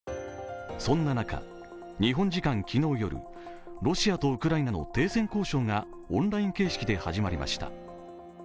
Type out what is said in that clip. そんな中、日本時間昨日夜ロシアとウクライナの停戦交渉がオンライン形式で始まりました。